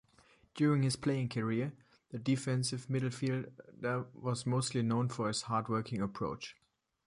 During his playing career, the defensive midfielder was mostly known for his hard-working approach.